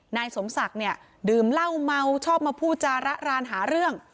นายสมศักดิ์เนี่ยดื่มเหล้าเมาชอบมาพูดจาระรานหาเรื่อง